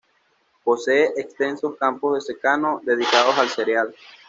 Posee extensos campos de secano dedicados al cereal.